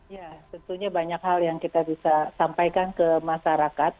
ya tentunya banyak hal yang kita bisa sampaikan ke masyarakat